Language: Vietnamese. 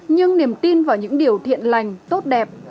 nhưng niềm tin vào những điều thiện lành tốt đẹp